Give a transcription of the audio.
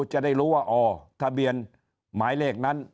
จะได้รู้ว่าอ๋อทะเบียนหมายเลขนั้น